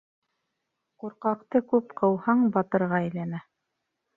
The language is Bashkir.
Ҡурҡаҡты күп ҡыуһаң, батырға әйләнә